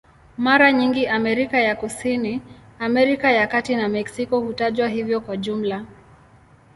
Mara nyingi Amerika ya Kusini, Amerika ya Kati na Meksiko hutajwa hivyo kwa jumla.